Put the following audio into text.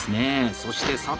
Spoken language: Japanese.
そして佐藤